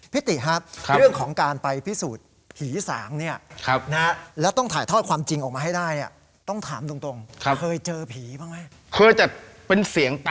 ติครับเรื่องของการไปพิสูจน์ผีสางเนี่ยนะฮะ